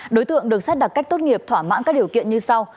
đối tượng được xét đặc cách tốt nghiệp thỏa mãn các điều kiện như sau